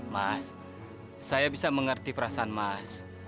mas saya bisa mengerti perasaan mas